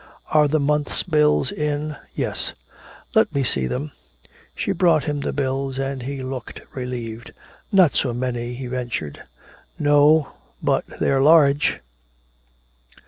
Are the month's bills in?" "Yes." "Let me see them." She brought him the bills and he looked relieved. "Not so many," he ventured. "No, but they're large."